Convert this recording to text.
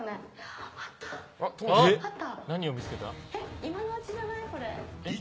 今のうちじゃない？